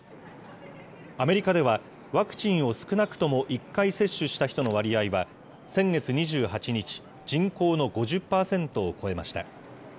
アメリカでは、ワクチンを少なくとも１回接種した人の割合は、先月２８日、人口の５０％を超えました。